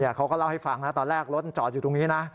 เดี๋ยวเขาก็เล่าให้ฟังตอนแรกรถติดอยู่ตรงนี้นะ